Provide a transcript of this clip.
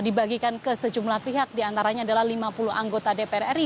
dibagikan ke sejumlah pihak diantaranya adalah lima puluh anggota dpr ri